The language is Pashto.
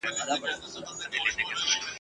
انګرېزان سخت جنګېدلي ول.